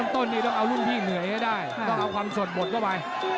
ต้นนี้ต้องเอารุ่นพี่เหนื่อยให้ได้ต้องเอาความสดหมดเข้าไป